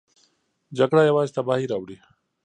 جګړه یوازې تباهي راوړي.